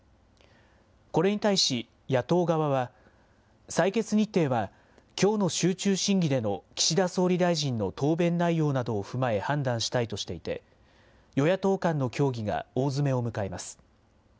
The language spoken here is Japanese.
これに対し野党側は、採決日程は、きょうの集中審議での岸田総理大臣の答弁内容などを踏まえ判断したいとしていて、与野党間の協議が大詰めを迎えます。